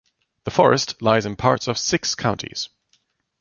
The forest lies in parts of six counties.